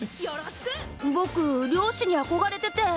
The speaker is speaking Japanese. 僕、漁師に憧れてて。